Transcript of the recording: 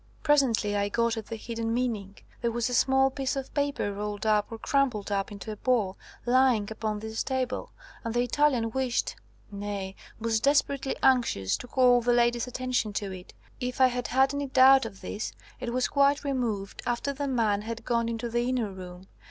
"Presently I got at the hidden meaning There was a small piece of paper, rolled up or crumpled up into a ball, lying upon this table, and the Italian wished, nay, was desperately anxious, to call the lady's attention to it. If I had had any doubt of this, it was quite removed after the man had gone into the inner room.